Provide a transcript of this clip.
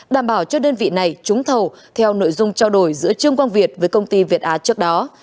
đảm bảo cho đơn vị này trúng thầu theo nội dung trao đổi giữa trương quang việt với công ty việt á trước đó